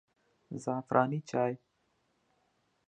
زعفراني چای